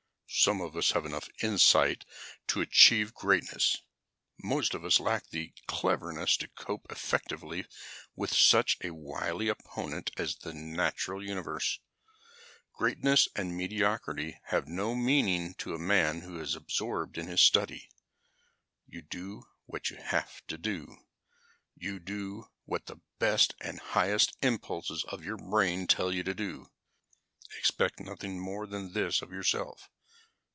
"Some of us have enough insight to achieve greatness. Most of us lack the cleverness to cope effectively with such a wily opponent as the natural universe. Greatness and mediocrity have no meaning to a man who is absorbed in his study. You do what you have to do. You do what the best and highest impulses of your brain tell you to do. Expect nothing more than this of yourself.